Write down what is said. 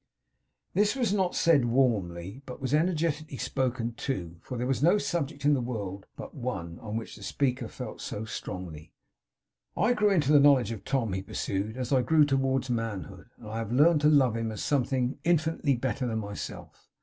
This was not said warmly, but was energetically spoken too; for there was no subject in the world (but one) on which the speaker felt so strongly. 'I grew into the knowledge of Tom,' he pursued, 'as I grew towards manhood; and I have learned to love him as something, infinitely better than myself.